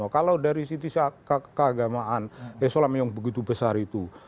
kalau dari sisi keagamaan islam yang begitu besar itu